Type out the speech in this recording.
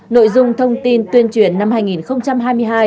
nội dung thông tin tuyên truyền năm hai nghìn hai mươi hai